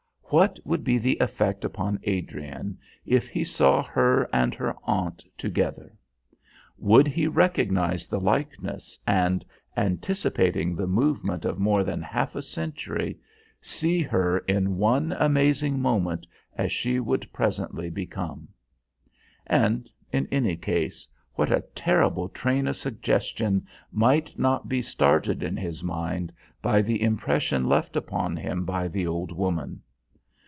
What would be the effect upon Adrian if he saw her and her aunt together? Would he recognise the likeness and, anticipating the movement of more than half a century, see her in one amazing moment as she would presently become? And, in any case, what a terrible train of suggestion might not be started in his mind by the impression left upon him by the old woman?